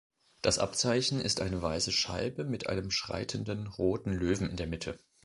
Das Abzeichen ist eine weiße Scheibe mit einem schreitenden roten Löwen in der Mitte.